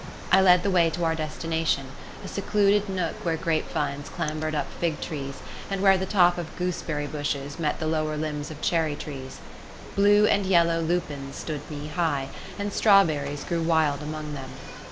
I led the way to our destination a secluded nook where grape vines clambered up fig trees, and where the top of gooseberry bushes met the lower limbs of cherry trees. Blue and yellow lupins stood knee high, and strawberries grew wild among them.